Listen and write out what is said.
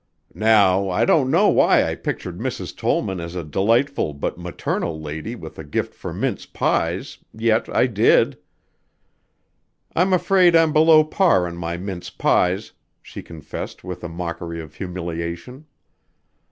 "Now I don't know why I pictured Mrs. Tollman as a delightful but maternal lady with a gift for mince pies yet I did." "I'm afraid I'm below par on my mince pies," she confessed with a mockery of humiliation.